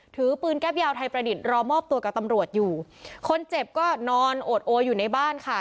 ถือปืนแก๊ปยาวไทยประดิษฐ์รอมอบตัวกับตำรวจอยู่คนเจ็บก็นอนโอดโออยู่ในบ้านค่ะ